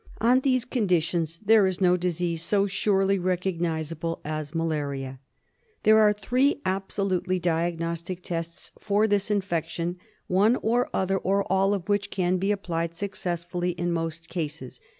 On these conditions there is no disease so surely recognisable as malaria. There are three absolutely diagnostic tests for this infection, one, or other, or all of which can be applied successfully in most cases.